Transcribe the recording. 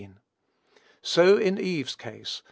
So in Eve's case.